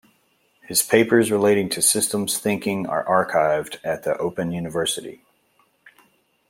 His papers relating to systems thinking are archived at the Open University.